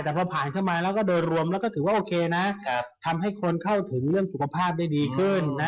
แต่พอผ่านเข้ามาแล้วก็โดยรวมแล้วก็ถือว่าโอเคนะทำให้คนเข้าถึงเรื่องสุขภาพได้ดีขึ้น